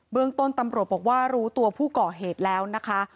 เรื่องต้นตำรวจบอกว่ารู้ตัวผู้ก่อเหตุแล้วนะคะ